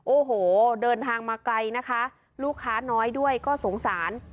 โอ้โหเดินทางมาไกลนะคะลูกค้าน้อยด้วยก็สงสาร